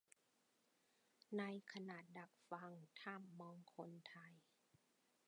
ในคณะดักฟังถ้ำมองคนไทย